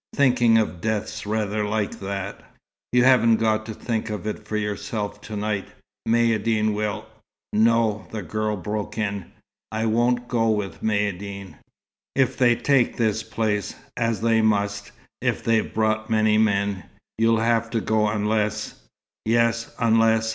Thinking of death's rather like that." "You haven't got to think of it for yourself to night. Maïeddine will " "No," the girl broke in. "I won't go with Maïeddine." "If they take this place as they must, if they've brought many men, you'll have to go, unless " "Yes; 'unless.'